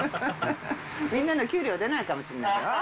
みんなの給料出ないかもしれないよ。